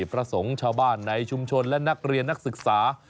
พระสงฆ์ชาวบ้านในชุมชนและนักเรียนนักศึกษา